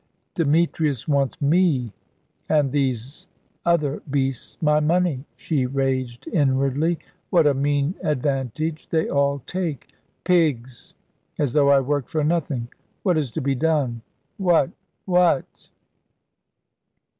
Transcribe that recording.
"Demetrius wants me, and these other beasts my money," she raged inwardly. "What a mean advantage they all take! Pigs! As though I worked for nothing. What is to be done? What what?"